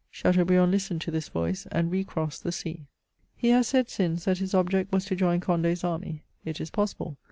Chateaubriand listened to this voice, and recrossed the sea. He has said since, that his object was to join Cond^s army. It is possible.